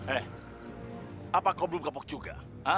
eh apa kau belum gepok juga